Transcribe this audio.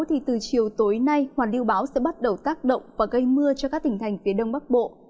thì từ chiều tối nay hoàn lưu bão sẽ bắt đầu tác động và gây mưa cho các tỉnh thành phía đông bắc bộ